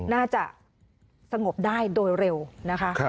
น่าจะสงบได้โดยเร็วนะคะ